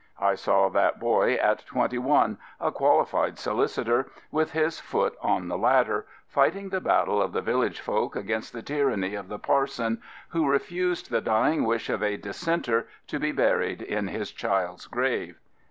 I saw that boy at twenty 129 Prophets, Priests, and Kings one a qualified solicitor, with his foot on the ladder, fighting the battle of the village folk against the tyranny of the parson, who refused the dying wish of a Dissenter to be buried in his child's grave.